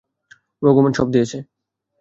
ভগবান সব দিয়েছে।